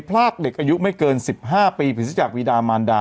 พลากเด็กอายุไม่เกินสิบห้าปีผิดซึ่งจากวีดามานดา